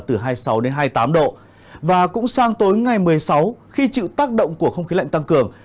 từ hai mươi sáu hai mươi tám độ và cũng sang tối ngày một mươi sáu khi chịu tác động của không khí lạnh tăng cường